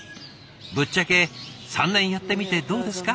ぶっちゃけ３年やってみてどうですか？